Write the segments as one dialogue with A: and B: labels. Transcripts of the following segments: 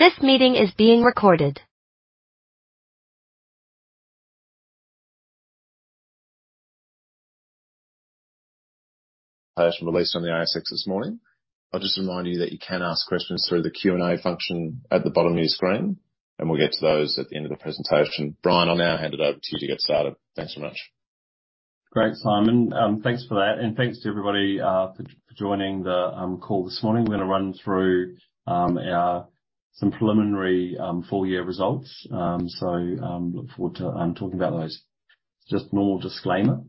A: This meeting is being recorded. From release on the ASX this morning. I'll just remind you that you can ask questions through the Q&A function at the bottom of your screen, and we'll get to those at the end of the presentation. Brian, I'll now hand it over to you to get started. Thanks so much.
B: Great, Simon. Thanks for that, and thanks to everybody, for joining the call this morning. We're gonna run through our some preliminary full year results. Look forward to talking about those. Just normal disclaimer.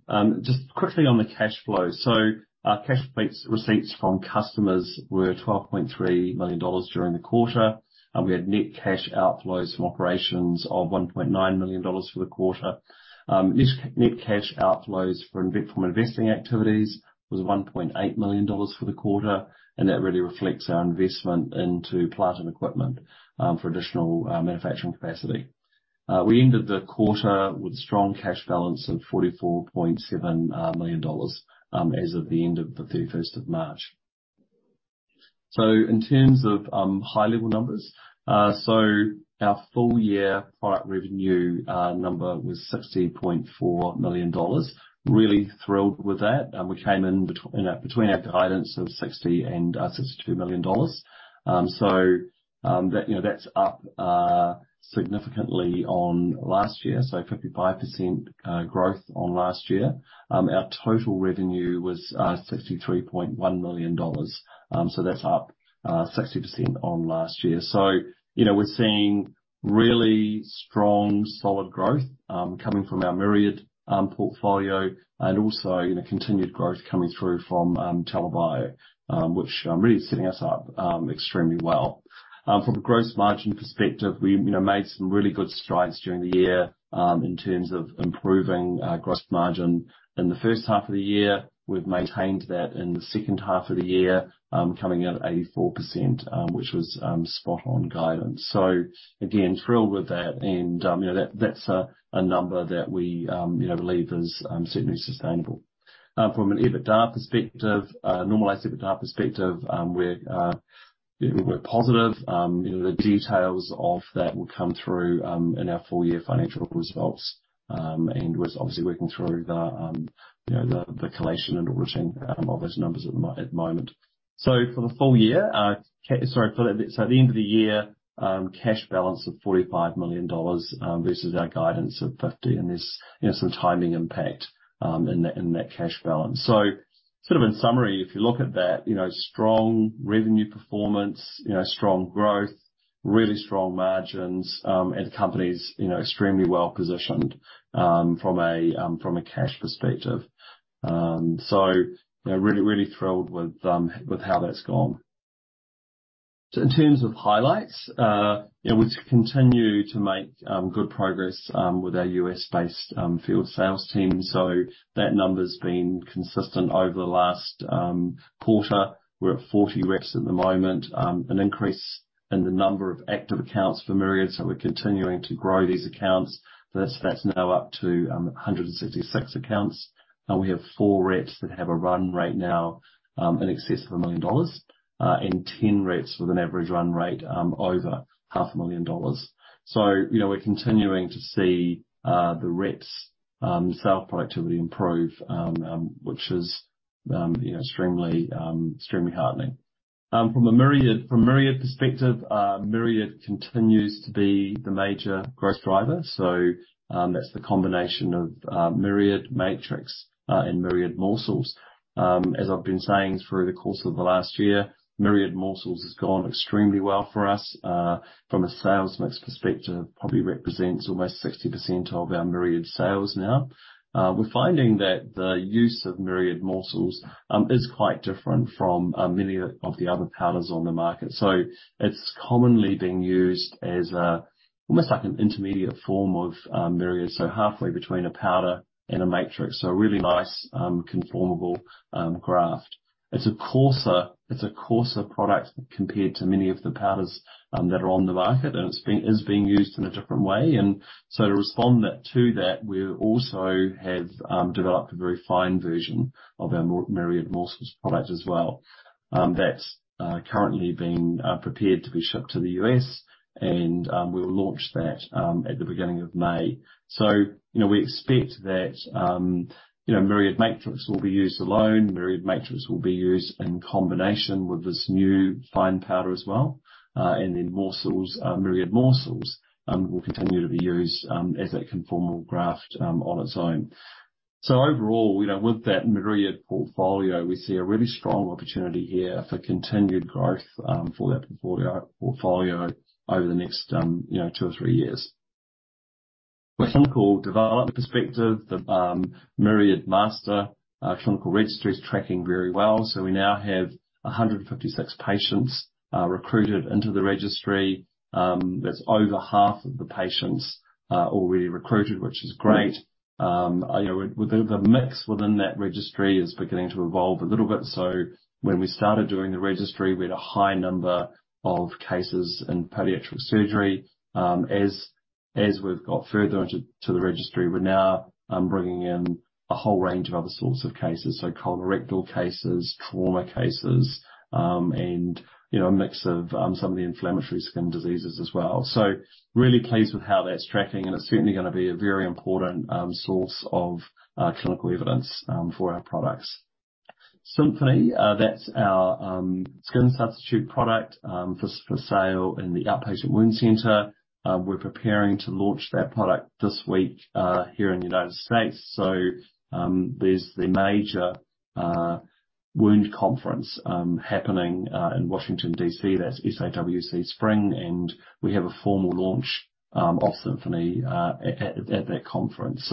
B: Just quickly on the cash flow. Our cash receipts from customers were $12.3 million during the quarter. We had net cash outflows from operations of $1.9 million for the quarter. Net cash outflows from investing activities was $1.8 million for the quarter, and that really reflects our investment into plant and equipment for additional manufacturing capacity. We ended the quarter with strong cash balance of $44.7 million as of the end of the 31st of March. In terms of high-level numbers. Our full year product revenue number was 60.4 million dollars. Really thrilled with that. We came in, you know, between our guidance of 60 million and 62 million dollars. That, you know, that's up significantly on last year, so 55% growth on last year. Our total revenue was 63.1 million dollars. That's up 60% on last year. You know, we're seeing really strong, solid growth coming from our Myriad portfolio and also, you know, continued growth coming through from TELA Bio, which really is setting us up extremely well. From a gross margin perspective, we made some really good strides during the year in terms of improving gross margin in the first half of the year. We've maintained that in the second half of the year, coming in at 84%, which was spot on guidance. Again, thrilled with that and that's a number that we believe is certainly sustainable. From an EBITDA perspective, normalized EBITDA perspective, we're positive. The details of that will come through in our full year financial results. We're obviously working through the collation and auditing of those numbers at the moment. For the full year, sorry. At the end of the year, cash balance of 45 million dollars, versus our guidance of 50, and there's, you know, some timing impact in that cash balance. Sort of in summary, if you look at that, you know, strong revenue performance, you know, strong growth, really strong margins, and the company's, you know, extremely well-positioned from a cash perspective. You know, really thrilled with how that's gone. In terms of highlights, you know, we continue to make good progress with our U.S.-based field sales team. That number's been consistent over the last quarter. We're at 40 reps at the moment, an increase in the number of active accounts for Myriad, so we're continuing to grow these accounts. That's now up to 166 accounts. We have four reps that have a run rate now in excess of $1 million, and 10 reps with an average run rate over half a million dollars. You know, we're continuing to see the reps sales productivity improve, which is, you know, extremely heartening. From Myriad perspective, Myriad continues to be the major growth driver. That's the combination of Myriad Matrix and Myriad Morcells. As I've been saying through the course of the last year, Myriad Morcells has gone extremely well for us. From a sales mix perspective, probably represents almost 60% of our Myriad sales now. We're finding that the use of Myriad Morsels is quite different from many of the other powders on the market. It's commonly being used as almost like an intermediate form of Myriad, so halfway between a powder and a matrix. A really nice, conformable graft. It's a coarser product compared to many of the powders that are on the market, and it's being used in a different way. To respond to that, we also have developed a very fine version of our Myriad Morsels product as well. That's currently being prepared to be shipped to the US, and we'll launch that at the beginning of May. You know, we expect that, you know, Myriad Matrix will be used alone. Myriad Matrix will be used in combination with this new fine powder as well. Then Myriad Morsels will continue to be used as a conformal graft on its own. Overall, you know, with that Myriad portfolio, we see a really strong opportunity here for continued growth for that portfolio over the next, you know, two or three years. From a clinical development perspective, the Myriad Master clinical registry is tracking very well, so we now have 156 patients recruited into the registry. That's over half of the patients already recruited, which is great. You know, with the mix within that registry is beginning to evolve a little bit. When we started doing the registry, we had a high number of cases in pediatric surgery. As we've got further into the registry, we're now bringing in a whole range of other sorts of cases, so colorectal cases, trauma cases, and, you know, a mix of some of the inflammatory skin diseases as well. Really pleased with how that's tracking, and it's certainly gonna be a very important source of clinical evidence for our products. Symphony, that's our skin substitute product for sale in the outpatient wound center. We're preparing to launch that product this week here in the United States. There's the major wound conference happening in Washington, D.C. That's SAWC Spring, and we have a formal launch of Symphony at that conference.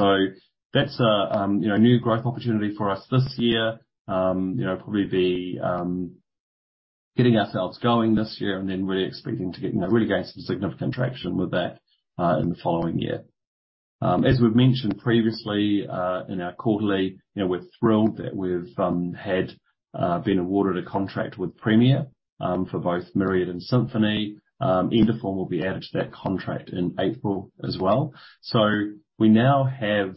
B: That's a, you know, new growth opportunity for us this year. You know, probably be getting ourselves going this year and then really expecting to get, you know, really gain some significant traction with that in the following year. As we've mentioned previously, in our quarterly, you know, we're thrilled that we've had been awarded a contract with Premier for both Myriad and Symphony. Endoform will be added to that contract in April as well. We now have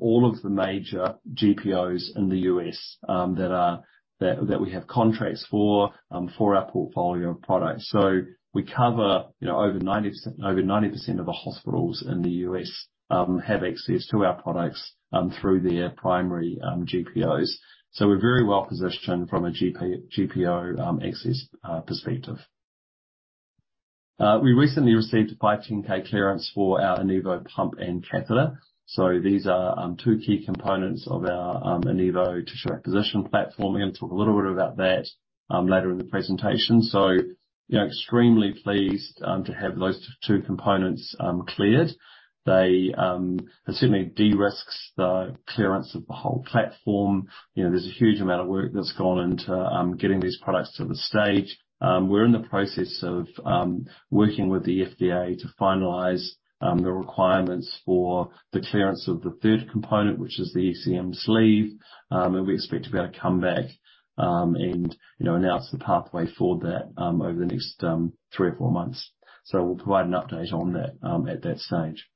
B: all of the major GPOs in the U.S. that we have contracts for for our portfolio of products. We cover, you know, over 90% of the hospitals in the U.S. have access to our products through their primary GPOs. We're very well-positioned from a GPO access perspective. We recently received a 510(k) clearance for our Enivo pump and catheter. These are two key components of our Enivo tissue acquisition platform. We're gonna talk a little bit about that later in the presentation. You know, extremely pleased to have those two components cleared. They certainly de-risks the clearance of the whole platform. You know, there's a huge amount of work that's gone into getting these products to this stage. We're in the process of working with the FDA to finalize the requirements for the clearance of the third component, which is the ECM sleeve. We expect to be able to come back and, you know, announce the pathway for that over the next 3 or 4 months. We'll provide an update on that at that stage.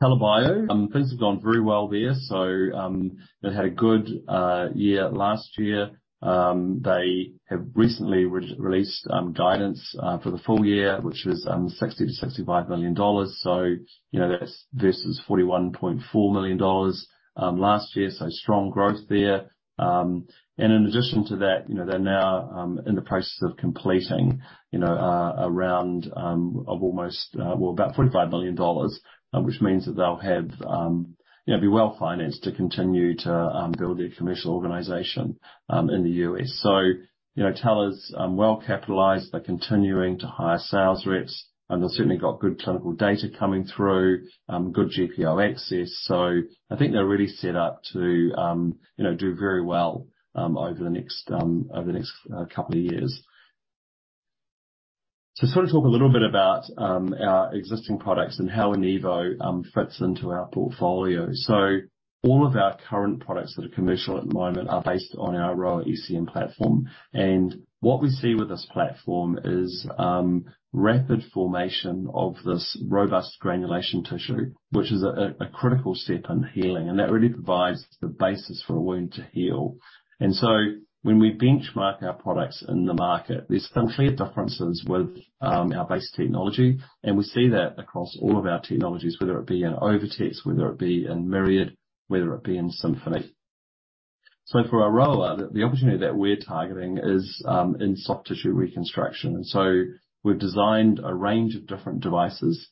B: TELA Bio, things have gone very well there. They had a good year last year. They have recently re-released guidance for the full year, which was $60 million-$65 million versus $41.4 million last year, strong growth there. And in addition to that, you know, they're now in the process of completing a round of almost about $45 million, which means that they'll have, you know, be well-financed to continue to build their commercial organization in the U.S. You know, TELA's well capitalized. They're continuing to hire sales reps. They've certainly got good clinical data coming through, good GPO access, so I think they're really set up to, you know, do very well over the next over the next two years. Just wanna talk a little bit about our existing products and how Enivo fits into our portfolio. All of our current products that are commercial at the moment are based on our AROA ECM platform. What we see with this platform is rapid formation of this robust granulation tissue, which is a critical step in healing, and that really provides the basis for a wound to heal. When we benchmark our products in the market, there's some clear differences with our base technology, and we see that across all of our technologies, whether it be in OviTex, whether it be in Myriad, whether it be in Symphony. For Aroa, the opportunity that we're targeting is in soft tissue reconstruction. We've designed a range of different devices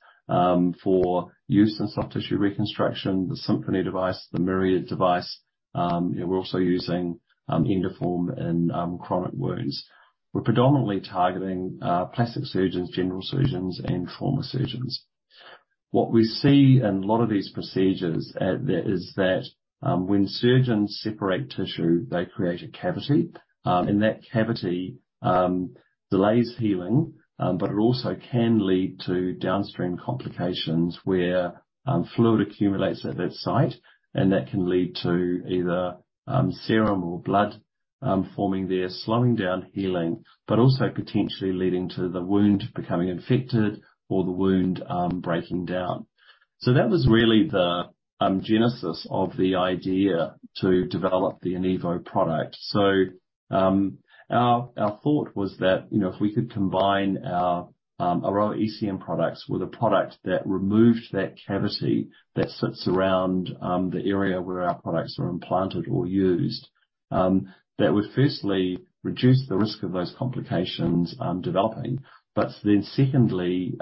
B: for use in soft tissue reconstruction, the Symphony device, the Myriad device. We're also using Endoform in chronic wounds. We're predominantly targeting plastic surgeons, general surgeons and trauma surgeons. What we see in a lot of these procedures, there is that when surgeons separate tissue, they create a cavity. That cavity delays healing, but it also can lead to downstream complications where fluid accumulates at that site, and that can lead to either serum or blood forming there, slowing down healing. Also potentially leading to the wound becoming infected or the wound breaking down. That was really the genesis of the idea to develop the Enivo product. Our thought was that, you know, if we could combine our AROA ECM products with a product that removed that cavity that sits around the area where our products are implanted or used, that would firstly reduce the risk of those complications developing, secondly,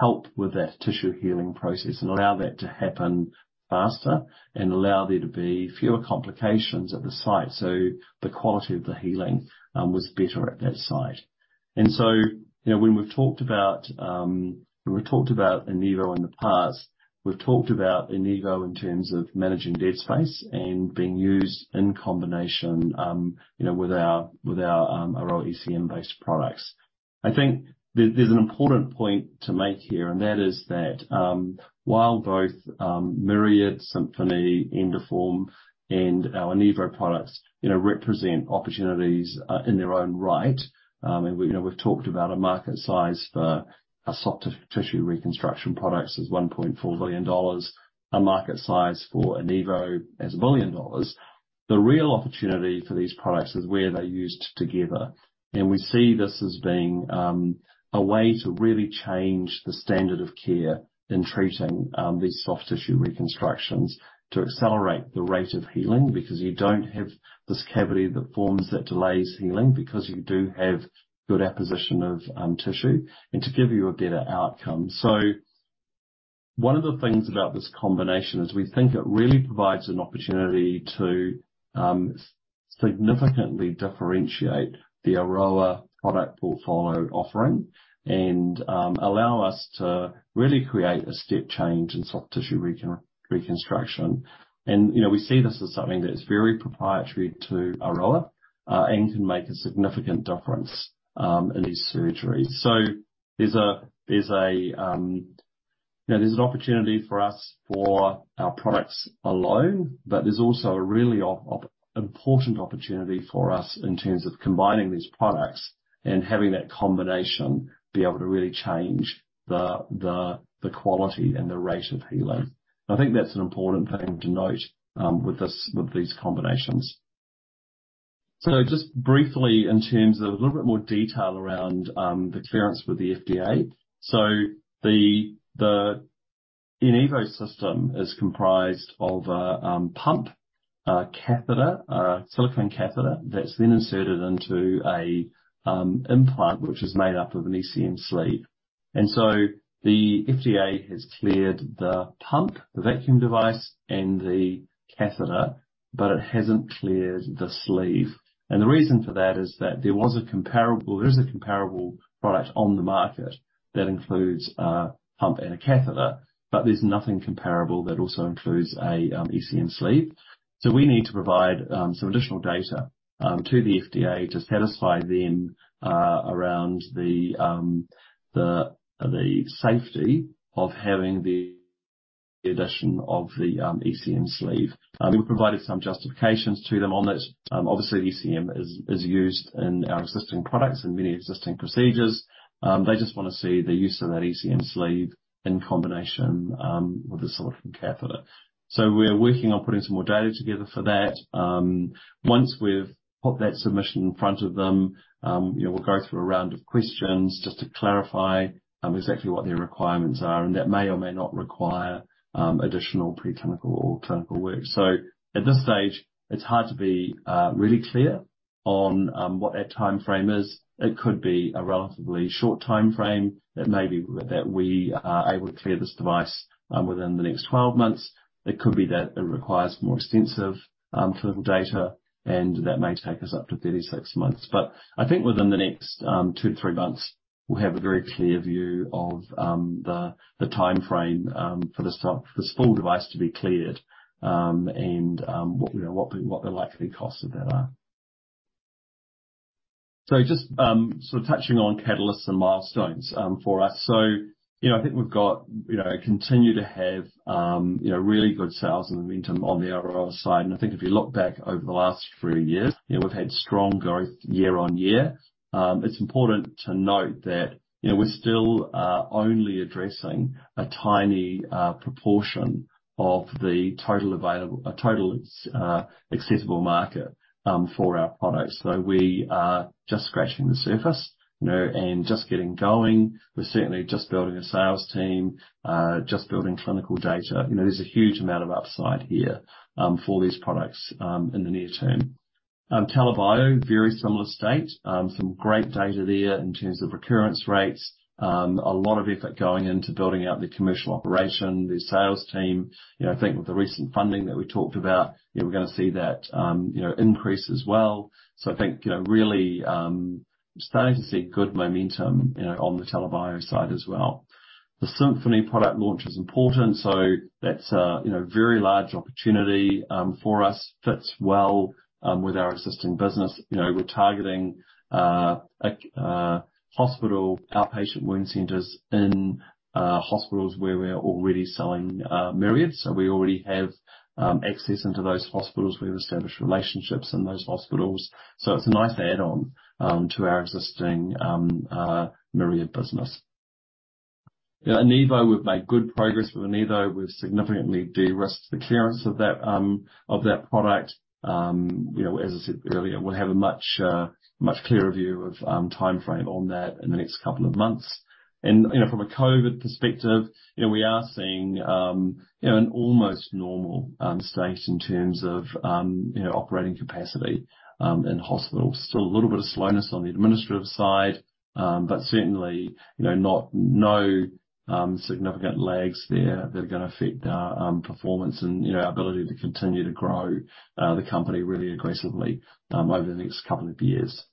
B: help with that tissue healing process and allow that to happen faster and allow there to be fewer complications at the site. The quality of the healing was better at that site. You know, when we've talked about, when we've talked about Enivo in the past, we've talked about Enivo in terms of managing dead space and being used in combination, you know, with our, with our AROA ECM based products. I think there's an important point to make here, and that is that, while both, Myriad, Symphony, Endoform, and our Enivo products, you know, represent opportunities in their own right, and we, you know, we've talked about a market size for our soft tissue reconstruction products as $1.4 billion, a market size for Enivo as $1 billion. The real opportunity for these products is where they're used together. We see this as being a way to really change the standard of care in treating these soft tissue reconstructions to accelerate the rate of healing because you don't have this cavity that forms, that delays healing because you do have good apposition of tissue, and to give you a better outcome. One of the things about this combination is we think it really provides an opportunity to significantly differentiate the Aroa product portfolio offering and allow us to really create a step change in soft tissue reconstruction. You know, we see this as something that's very proprietary to Aroa and can make a significant difference in these surgeries. There's a, you know, there's an opportunity for us for our products alone, but there's also a really important opportunity for us in terms of combining these products and having that combination be able to really change the, the quality and the rate of healing. I think that's an important thing to note with these combinations. Just briefly in terms of a little bit more detail around the clearance with the FDA. The, the Enivo system is comprised of a pump, a catheter, a silicone catheter that's then inserted into a implant which is made up of an ECM sleeve. The FDA has cleared the pump, the vacuum device, and the catheter, but it hasn't cleared the sleeve. The reason for that is that there is a comparable product on the market that includes a pump and a catheter, but there's nothing comparable that also includes a ECM sleeve. We need to provide some additional data to the FDA to satisfy them around the safety of having the addition of the ECM sleeve. I mean, we provided some justifications to them on it. Obviously ECM is used in our existing products and many existing procedures. They just wanna see the use of that ECM sleeve in combination with the silicone catheter. We're working on putting some more data together for that. Once we've put that submission in front of them, you know, we'll go through a round of questions just to clarify exactly what their requirements are, and that may or may not require additional preclinical or clinical work. At this stage, it's hard to be really clear on what that timeframe is. It could be a relatively short timeframe that may be that we are able to clear this device within the next 12 months. It could be that it requires more extensive clinical data, and that may take us up to 36 months. I think within the next 2-3 months, we'll have a very clear view of the timeframe for this full device to be cleared, and, you know, what the, what the likely costs of that are. Just, sort of touching on catalysts and milestones, for us. You know, I think we've got, continue to have really good sales and momentum on the Aroa side. I think if you look back over the last three years, we've had strong growth year-on-year. It's important to note that we're still only addressing a tiny proportion of the total accessible market for our products. We are just scratching the surface, you know, and just getting going. We're certainly just building a sales team, just building clinical data. You know, there's a huge amount of upside here for these products in the near term. TELA Bio, very similar state. Some great data there in terms of recurrence rates. A lot of effort going into building out the commercial operation, the sales team. You know, I think with the recent funding that we talked about, you know, we're gonna see that, you know, increase as well. I think, you know, really, starting to see good momentum, you know, on the TELA Bio side as well. The Symphony product launch is important, so that's a, you know, very large opportunity for us. Fits well with our existing business. You know, we're targeting a hospital outpatient wound centers in hospitals where we're already selling Myriad. We already have access into those hospitals. We have established relationships in those hospitals, so it's a nice add-on to our existing Myriad business. You know, Enivo, we've made good progress with Enivo. We've significantly de-risked the clearance of that of that product. You know, as I said earlier, we'll have a much, much clearer view of timeframe on that in the next couple of months. You know, from a COVID perspective, you know, we are seeing, you know, an almost normal state in terms of, you know, operating capacity in hospitals. Still a little bit of slowness on the administrative side, but certainly, you know, no significant lags there that are gonna affect our performance and, you know, our ability to continue to grow the company really aggressively over the next couple of years.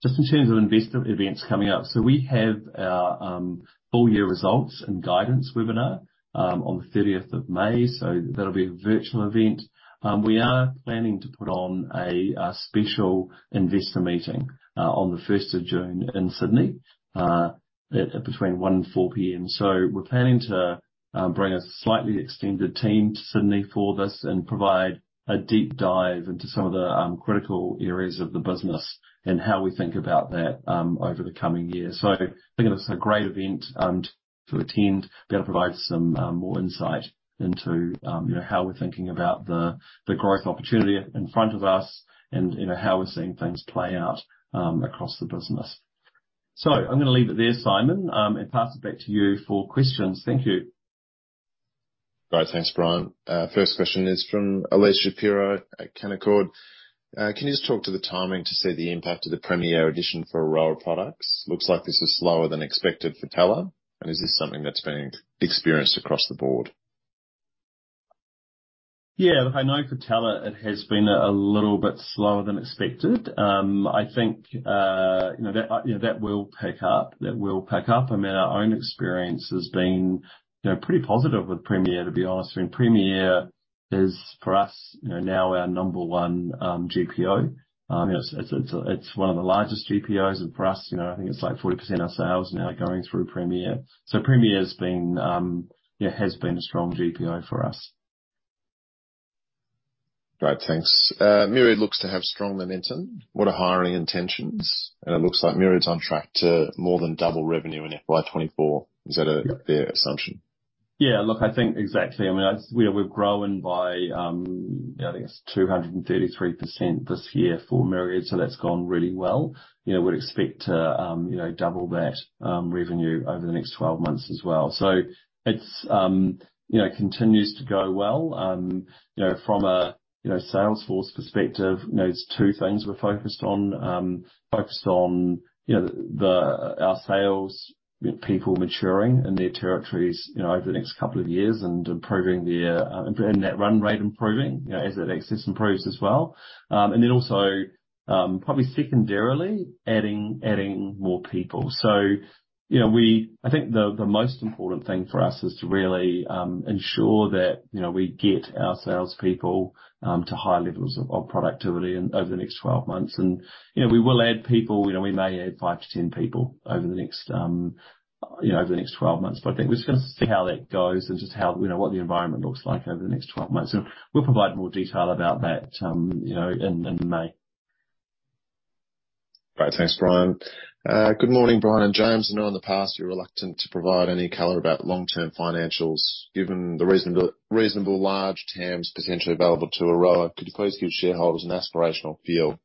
B: Just in terms of investor events coming up. We have our full year results and guidance webinar on the 30th of May, that'll be a virtual event. We are planning to put on a special investor meeting on the 1 June in Sydney, between 1:00 P.M. and 4:00 P.M. We're planning to bring a slightly extended team to Sydney for this and provide a deep dive into some of the critical areas of the business and how we think about that over the coming year. I think it's a great event to attend. That'll provide some more insight into, you know, how we're thinking about the growth opportunity in front of us and you know, how we're seeing things play out across the business. I'm gonna leave it there, Simon, and pass it back to you for questions. Thank you.
A: Great. Thanks, Brian. First question is from Elyse Shapiro at Canaccord Genuity. Can you just talk to the timing to see the impact of the Premier, Inc. addition for Aroa products? Looks like this is slower than expected for TELA, is this something that's being experienced across the board?
B: Yeah. I know for TELA it has been a little bit slower than expected. I think, you know, that will pick up. I mean, our own experience has been, you know, pretty positive with Premier, to be honest. I mean, Premier is, for us, you know, now our number one GPO. You know, it's one of the largest GPOs. For us, you know, I think it's like 40% of sales now going through Premier. Premier's been, you know, has been a strong GPO for us.
A: Great, thanks. Myriad looks to have strong momentum. What are hiring intentions? It looks like Myriad's on track to more than double revenue in FY 2024. Is that a fair assumption?
B: Yeah. Look, I think exactly. I mean, we're growing by, I think it's 233% this year for Myriad, that's gone really well. You know, we'd expect to, you know, double that revenue over the next 12 months as well. It's, you know, continues to go well. You know, from a, you know, sales force perspective, you know, it's two things we're focused on. Focused on, you know, our sales people maturing in their territories, you know, over the next couple of years and improving their net run rate, you know, as that access improves as well. Probably secondarily, adding more people. You know, I think the most important thing for us is to really ensure that, you know, we get our sales people to high levels of productivity over the next 12 months. You know, we will add people. You know, we may add 5 to 10 people over the next, you know, over the next 12 months. I think we're just gonna see how that goes and just how, you know, what the environment looks like over the next 12 months. We'll provide more detail about that, you know, in May.
A: Great. Thanks, Brian. Good morning, Brian and James. I know in the past you were reluctant to provide any color about long-term financials. Given the reasonable large TAMs potentially available to Aroa, could you please give shareholders an aspirational feel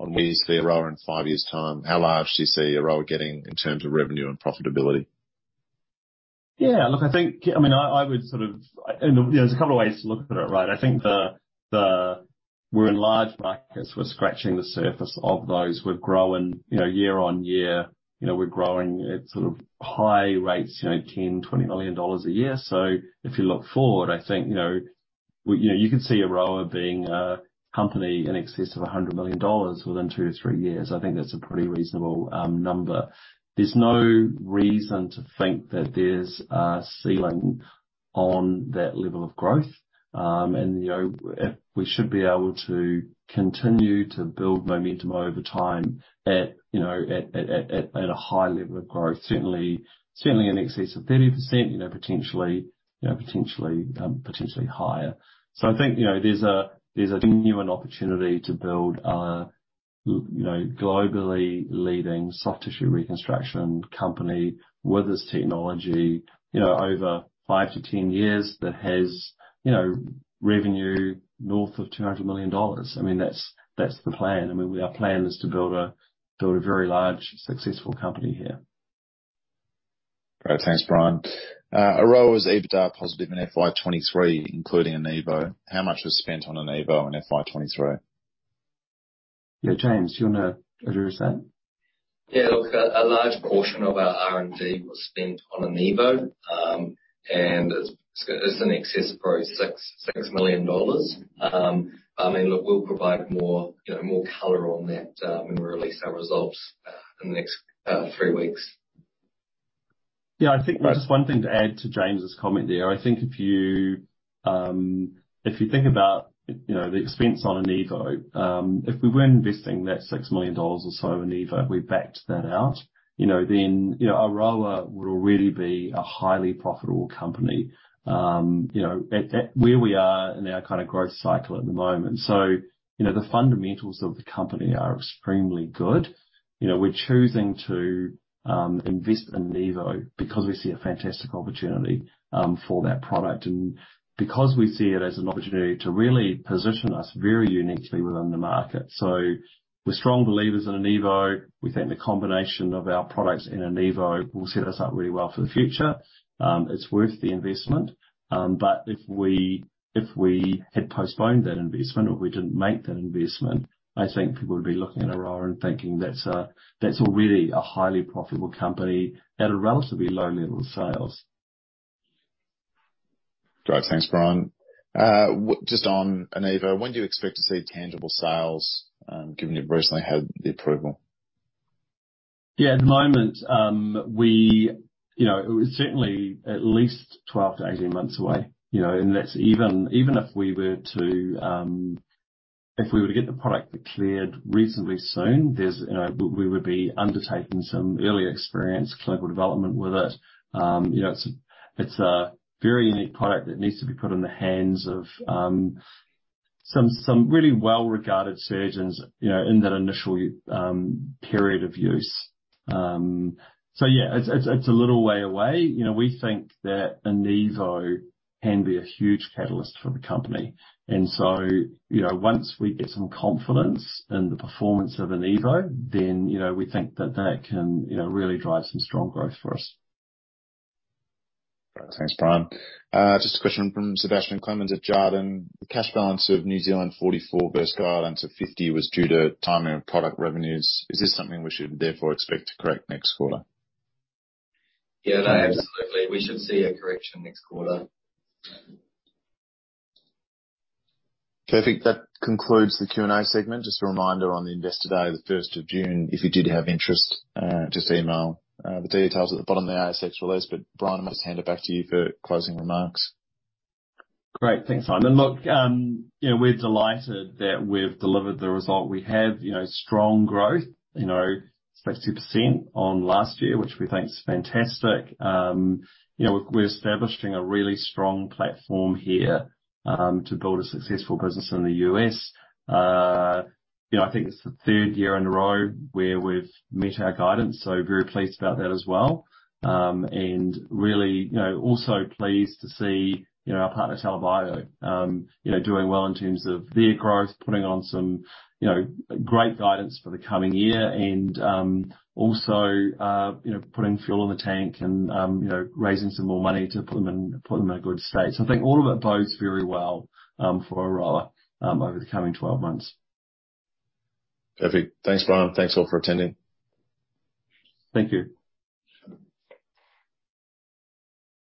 A: on where you see Aroa in five years' time? How large do you see Aroa getting in terms of revenue and profitability?
B: Yeah, look, I think, I mean, I would sort of... You know, there's a couple of ways to look at it, right? I think we're in large markets. We're scratching the surface of those. We're growing, you know, year-over-year. You know, we're growing at sort of high rates, you know, $10 million-$20 million a year. If you look forward, I think, you know, you could see Aroa being a company in excess of $100 million within 2-3 years. I think that's a pretty reasonable number. There's no reason to think that there's a ceiling on that level of growth. You know, we should be able to continue to build momentum over time at, you know, at a high level of growth, certainly in excess of 30%, you know, potentially, you know, potentially higher. I think, you know, there's a, there's a genuine opportunity to build a, you know, globally leading soft tissue reconstruction company with this technology, you know, over 5 to 10 years that has, you know, revenue north of 200 million dollars. I mean, that's the plan. I mean, our plan is to build a very large successful company here.
A: Great. Thanks, Brian. Aroa was EBITDA positive in FY 23, including Enivo. How much was spent on Enivo in FY 23?
B: Yeah. James, do you wanna address that?
C: Yeah. Look, a large portion of our R&D was spent on Enivo. It's in excess of 6 million dollars. I mean, look, we'll provide more, you know, more color on that when we release our results in the next three weeks.
B: Yeah. I think there's one thing to add to James's comment there. I think if you, if you think about, you know, the expense on Enivo, if we weren't investing that 6 million dollars or so in Enivo, we backed that out, you know, then, you know, Aroa would already be a highly profitable company, you know, at where we are in our kind of growth cycle at the moment. You know, the fundamentals of the company are extremely good. You know, we're choosing to, invest in Enivo because we see a fantastic opportunity, for that product and because we see it as an opportunity to really position us very uniquely within the market. We're strong believers in Enivo. We think the combination of our products in Enivo will set us up really well for the future. It's worth the investment. If we had postponed that investment or we didn't make that investment, I think people would be looking at Aroa and thinking that's already a highly profitable company at a relatively low level of sales.
A: Great. Thanks, Brian. just on Enivo, when do you expect to see tangible sales, given you've recently had the approval?
B: Yeah, at the moment, we, you know, it's certainly at least 12-18 months away, you know. That's even if we were to, if we were to get the product declared reasonably soon, there's, you know, we would be undertaking some early experience clinical development with it. You know, it's a very unique product that needs to be put in the hands of, some really well-regarded surgeons, you know, in that initial period of use. So yeah, it's a little way away. You know, we think that Enivo can be a huge catalyst for the company. Once we get some confidence in the performance of Enivo, then, you know, we think that that can, you know, really drive some strong growth for us.
A: Great. Thanks, Brian. Just a question from Sebastian Clemens at Jarden. The cash balance of New Zealand 44 versus Ireland 50 was due to timing of product revenues. Is this something we should therefore expect to correct next quarter?
B: Yeah, no, absolutely. We should see a correction next quarter.
A: Okay. I think that concludes the Q&A segment. Just a reminder on the Investor Day, the first of June, if you did have interest, just email the details at the bottom of the ASX release. Brian, I'll just hand it back to you for closing remarks.
B: Great. Thanks, Simon. Look, you know, we're delighted that we've delivered the result. We have, you know, strong growth, you know, it's 32% on last year, which we think is fantastic. You know, we're establishing a really strong platform here to build a successful business in the US. You know, I think it's the third year in a row where we've met our guidance, so very pleased about that as well. Really, you know, also pleased to see, you know, our partner, TELA Bio, you know, doing well in terms of their growth, putting on some, you know, great guidance for the coming year and also, you know, putting fuel in the tank and, you know, raising some more money to put them in a good state. I think all of it bodes very well for Aroa over the coming 12 months.
A: Perfect. Thanks, Brian. Thanks all for attending.
B: Thank you.